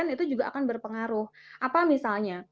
itu juga akan berpengaruh apa misalnya